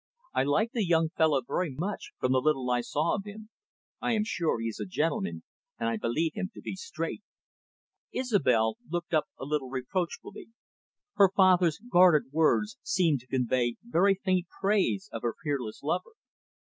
"I liked the young fellow very much, from the little I saw of him. I am sure he is a gentleman, and I believe him to be straight." Isobel looked up a little reproachfully. Her father's guarded words seemed to convey very faint praise of her peerless lover.